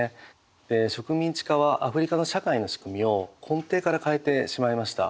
植民地化はアフリカの社会の仕組みを根底から変えてしまいました。